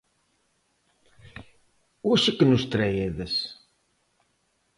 Hoxe que nos traedes?